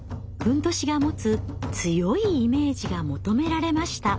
褌が持つ強いイメージが求められました。